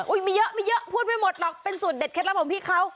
มีเยอะไม่เยอะพูดไม่หมดหรอกเป็นสูตรเด็ดเคล็ดลับของพี่เขา